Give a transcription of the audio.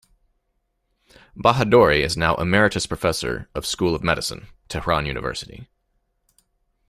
Bahadori is now Emeritus Professor of School of Medicine, Tehran University.